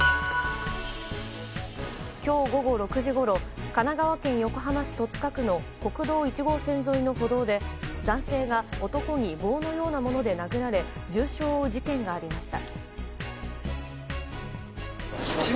今日午後６時ごろ神奈川県横浜市戸塚区の国道１号沿いの歩道で男性が男に棒のようなもので殴られ重傷を負う事件がありました。